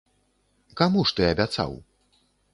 Каму ж ты абяцаў?